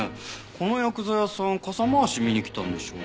このヤクザ屋さん傘回し見に来たんでしょ？